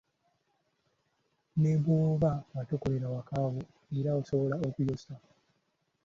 Ne bw'oba nga tokolera waka wo, era osobola okuyonsa .